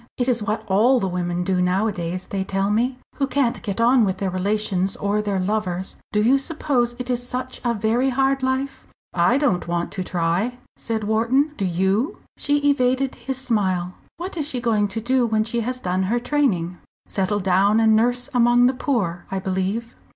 It is what all the women do nowadays, they tell me, who can't get on with their relations or their lovers. Do you suppose it is such a very hard life?" "I don't want to try!" said Wharton. "Do you?" She evaded his smile. "What is she going to do when she has done her training?" "Settle down and nurse among the poor, I believe."